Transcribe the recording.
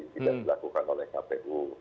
tidak dilakukan oleh kpu